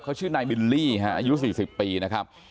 เขาชื่อนายบิลลี่อายุ๔๐ปีนะครับ